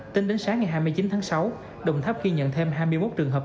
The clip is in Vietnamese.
tính đến sáng ngày hai mươi chín tháng sáu đồng tháp ghi nhận thêm hai mươi một trường hợp